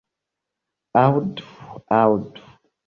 Aŭdu, aŭdu.